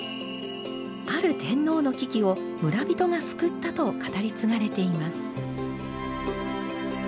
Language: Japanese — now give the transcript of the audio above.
ある天皇の危機を村人が救ったと語り継がれています。